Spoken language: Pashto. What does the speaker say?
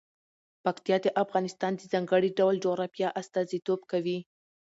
پکتیا د افغانستان د ځانګړي ډول جغرافیه استازیتوب کوي.